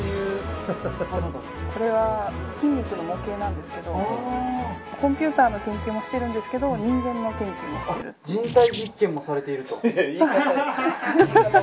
これは筋肉の模型なんですけどコンピューターの研究もしてるんですけど人間の研究もしてる。